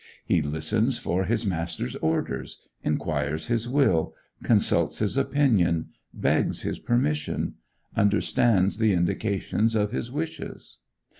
He listens for his master's orders, inquires his will, consults his opinion, begs his permission, understands the indications of his wishes.